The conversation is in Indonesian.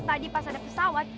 tadi pas ada pesawat